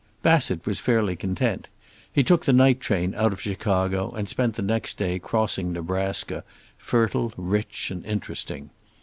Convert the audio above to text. Bassett was fairly content. He took the night train out of Chicago and spent the next day crossing Nebraska, fertile, rich and interesting.